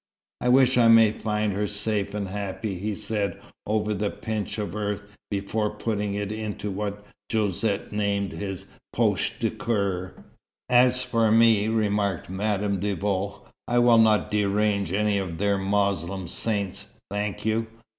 "I wish that I may find her safe and happy," he said over the pinch of earth before putting it into what Josette named his "poche du coeur." "As for me," remarked Madame de Vaux, "I will not derange any of their Moslem saints, thank you.